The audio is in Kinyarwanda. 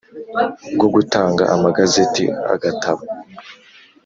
bwo gutanga amagazeti Agatabo